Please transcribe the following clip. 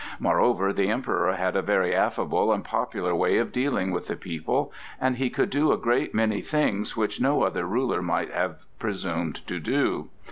Moreover the Emperor had a very affable and popular way of dealing with the people, and he could do a great many things which no other ruler might have presumed to do.